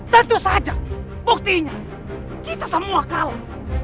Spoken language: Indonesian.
tentu saja buktinya kita semua kalah